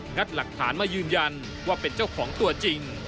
ัดหลักฐานมายืนยันว่าเป็นเจ้าของตัวจริง